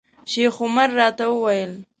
شیخ عمر راته وویل.